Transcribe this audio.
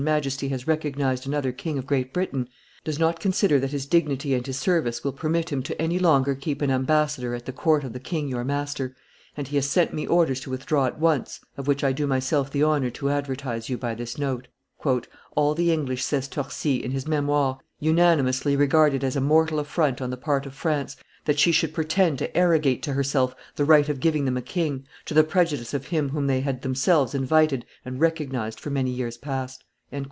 Majesty has recognized another King of Great Britain, does not consider that his dignity and his service will permit him to any longer keep an ambassador at the court of the king your master, and he has sent me orders to withdraw at once, of which I do myself the honor to advertise you by this note." "All the English," says Torcy, in his Memoires, "unanimously regard it as a mortal affront on the part of France, that she should pretend to arrogate to herself the right of giving them a king, to the prejudice of him whom they had themselves invited and recognized for many years past."